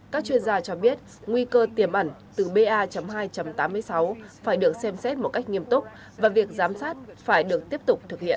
các chuyên gia cho biết nguy cơ tiềm ẩn từ ba hai tám mươi sáu phải được xem xét một cách nghiêm túc và việc giám sát phải được tiếp tục thực hiện